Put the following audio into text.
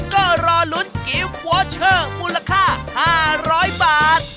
ก็รอลุ้นกิ๊บมูลค่าห้าร้อยบาท